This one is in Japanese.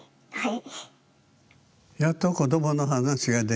はい。